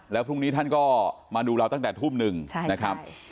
แล้วพรุ่งนี้ท่านก็มาดูเราตั้งแต่ทุ่มหนึ่งนะครับ